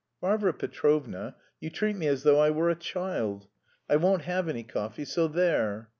"Varvara Petrovna, you treat me as though I were a child. I won't have any coffee, so there!"